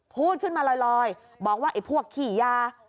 พูดขึ้นมาลอยบอกว่าไอ้พวกขี่ยา